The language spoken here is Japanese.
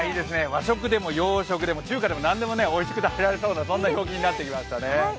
和食でも洋食でも中華でもなんでもおいしく食べられそうな陽気になってきましたね。